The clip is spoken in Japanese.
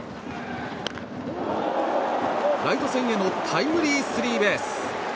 ライト線へのタイムリースリーベース。